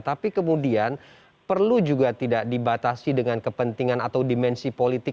tapi kemudian perlu juga tidak dibatasi dengan kepentingan atau dimensi politik